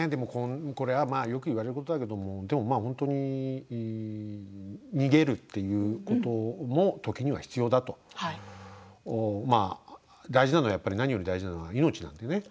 これはよく言われることだけど本当に逃げるということも時には必要だと、大事なのは何より大事なのは命なのでね。